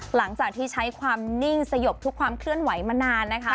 หลังจากที่ใช้ความนิ่งสยบทุกความเคลื่อนไหวมานานนะคะ